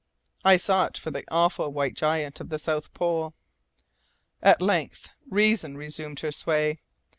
I sought for the awful white giant of the South Pole! At length reason resumed her sway.